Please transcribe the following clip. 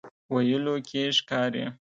ویلو کې ښکاري.